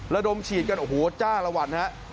และดมฉีดกันโอ้โหจ้าละวันครับ